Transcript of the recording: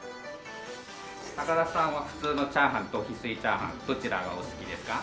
高田さんは普通のチャーハンと翡翠チャーハンどちらがお好きですか？